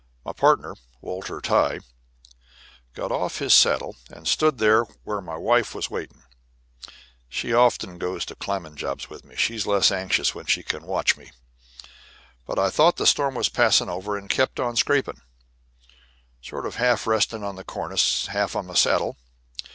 My partner, Walter Tyghe, got off his saddle and stood there where my wife was waiting (she often goes to climbing jobs with me she's less anxious when she can watch me); but I thought the storm was passing over, and kept on scraping, sort of half resting on the cornice, half on my saddle.